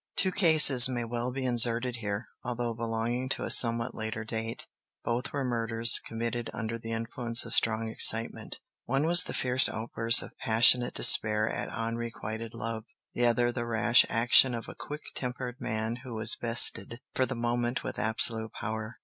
Two cases may well be inserted here, although belonging to a somewhat later date. Both were murders committed under the influence of strong excitement: one was the fierce outburst of passionate despair at unrequited love; the other the rash action of a quick tempered man who was vested for the moment with absolute power.